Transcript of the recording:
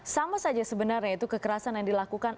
sama saja sebenarnya itu kekerasan yang dilakukan